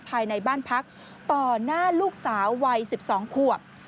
ภายในบ้านพักต่อหน้าลูกสาววัย๑๒ขวบ